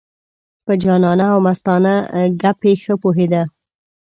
په جانانه او مستانه ګپې ښه پوهېده.